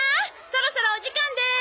そろそろお時間でーす！